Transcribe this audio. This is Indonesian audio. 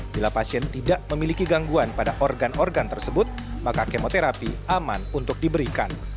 bila pasien tidak memiliki gangguan pada organ organ tersebut maka kemoterapi aman untuk diberikan